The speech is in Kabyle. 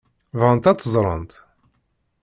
Bɣant ad tt-ẓrent?